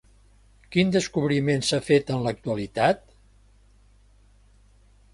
Quin descobriment s'ha fet en l'actualitat?